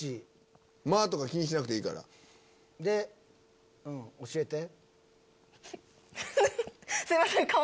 間とか気にしなくていいから。で教えて。